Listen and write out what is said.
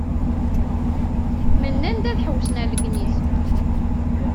Mennan-d ad ḥewwsen ar Legniz.